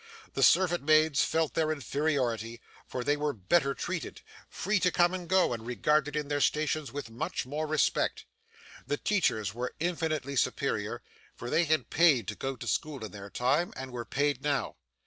The servant maids felt her inferiority, for they were better treated; free to come and go, and regarded in their stations with much more respect. The teachers were infinitely superior, for they had paid to go to school in their time, and were paid now.